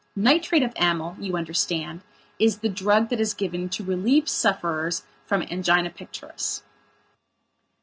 Nitrate of amyl, you understand, is the drug that is given to relieve sufferers from angina pectoris.